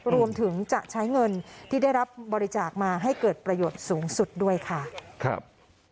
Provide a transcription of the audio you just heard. รวมถึงจะใช้เงินที่ได้รับบริจาคมาให้เกิดประโยชน์สูงสุดด้วยค่ะครับ